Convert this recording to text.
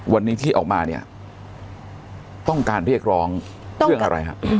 วันนี้ที่ออกมาเนี่ยต้องการเรียกร้องเรื่องอะไรครับ